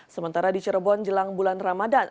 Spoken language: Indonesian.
sementara di cirebon jelang bulan ramadan